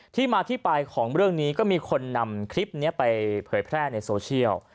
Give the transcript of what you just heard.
ที่มาที่ไปของเรื่องนี้ก็มีคนนำคลิปนี้ไปเผยแพร่ในโซเชียล